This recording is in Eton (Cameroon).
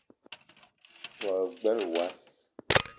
Wa gbele wass